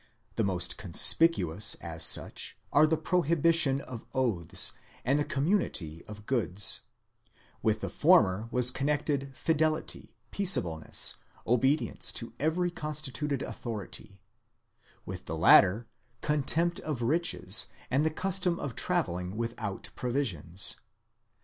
The most conspicuous as such are the prohibition of oaths, and the community of goods: with the former was connected fidelity, peaceableness, obedience to every constituted authority ; with the latter, contempt of riches, and the custom of travelling without provisions.